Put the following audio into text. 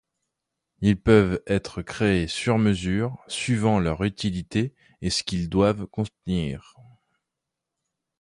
Ils peuvent être créés sur-mesure, suivant leur utilité et ce qu'ils doivent contenir.